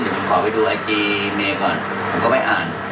ผมขอไปดูไอจีเมย์ก่อนผมก็ไปอ่าน